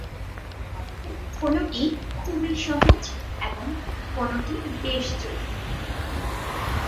কোনটি খুবই সহজ এবং কোনটি বেশ জটিল।